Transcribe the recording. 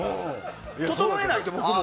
整えないと僕も。